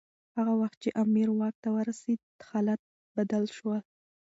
هغه وخت چي امیر واک ته ورسېد حالات بدل شول.